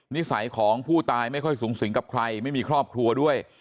นิสัยของผู้ตายไม่ค่อยสูงสิงกับใครไม่มีครอบครัวด้วย